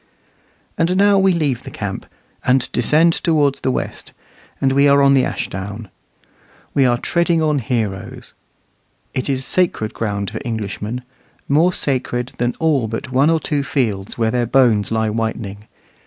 And now we leave the camp, and descend towards the west, and are on the Ashdown. We are treading on heroes. It is sacred ground for Englishmen more sacred than all but one or two fields where their bones lie whitening.